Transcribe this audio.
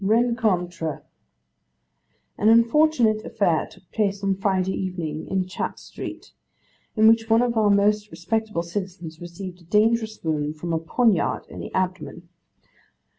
'Rencontre. 'An unfortunate affair took place on Friday evening in Chatres Street, in which one of our most respectable citizens received a dangerous wound, from a poignard, in the abdomen.